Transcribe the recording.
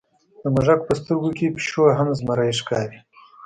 د موږک په سترګو کې پیشو هم زمری ښکاري.